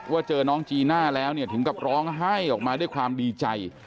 ว่าเจอน้องจีน่าแล้วเนี่ยถึงกับร้องไห้ออกมาด้วยความดีใจ